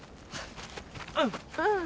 うん。